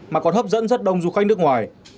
mà còn hấp dẫn rất đông du khách nước ngoài